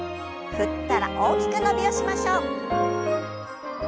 振ったら大きく伸びをしましょう。